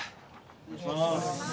お願いします